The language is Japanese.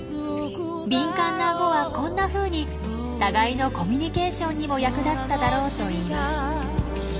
敏感なアゴはこんなふうに互いのコミュニケーションにも役立っただろうといいます。